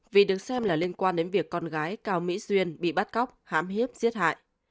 vì được xem là liên quan đến việc con gái cao mỹ xuyên bị bắt cóc hám hiếp giết hại